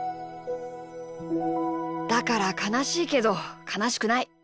だからかなしいけどかなしくない。